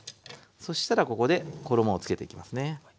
そしたらここで衣をつけていきますね。